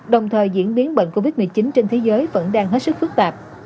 đồng thời diễn biến bệnh covid một mươi chín trên thế giới vẫn đang hết sức phức tạp